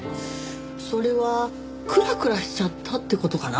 それはクラクラしちゃったって事かな？